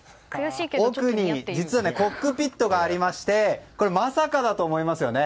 奥に、コックピットがありましてまさかだと思いますよね。